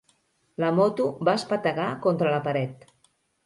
La moto va espetegar contra la paret.